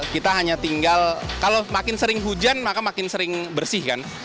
kita hanya tinggal kalau makin sering hujan maka makin sering bersih kan